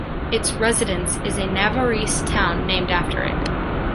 Its residence is in a Navarrese town named after it.